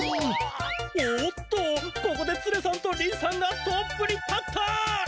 おっとここでツネさんとりんさんがトップに立った！